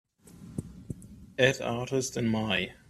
add artist in my